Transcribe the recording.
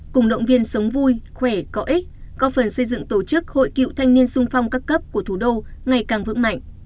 cùng động viên sống vui khỏe có ích có phần xây dựng tổ chức hội cựu thanh niên sung phong các cấp của thủ đô ngày càng vững mạnh